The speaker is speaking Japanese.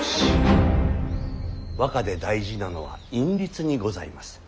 和歌で大事なのは韻律にございます。